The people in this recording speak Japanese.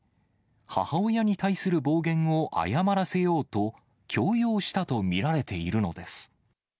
母親に対する暴言を謝らせようと強要したと見られているのです。